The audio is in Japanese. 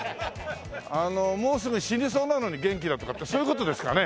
あのもうすぐ死にそうなのに元気だとかってそういう事ですかね？